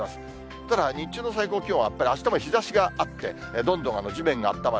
ただ、日中の最高気温はあしたも日ざしがあって、どんどん地面があったまる。